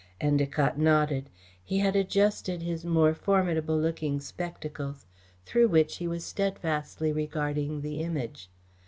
Endacott nodded. He had adjusted his more formidable looking spectacles, through which he was steadfastly regarding the Image.